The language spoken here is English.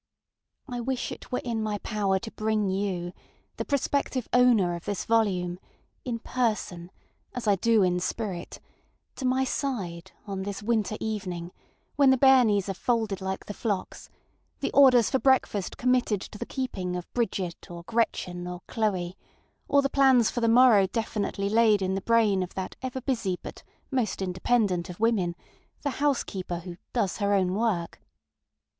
I wish it were in my power to bring you, the prospective owner of this volume, in person, as I do in spirit, to my side on this winter evening, when the bairnies are ŌĆ£folded like the flocks; ŌĆØ the orders for breakfast committed to the keeping of Bridget, or Gretchen, or Chloe, or the plans for the morrow definitely laid in the brain of that ever busy, but most independent of women, the housekeeper who ŌĆ£does her own work.